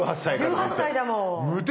１８歳だもん。